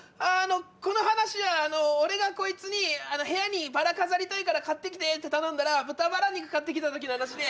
この話は俺がこいつに部屋にバラ飾りたいから買って来て！って頼んだら豚ばら肉買って来た時の話で。